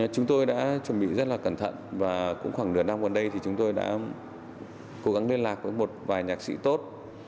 chúng tôi đã chuẩn bị rất là cẩn thận và cũng khoảng nửa năm gần đây thì chúng tôi đã cố gắng liên lạc với một vài nhạc sĩ tốt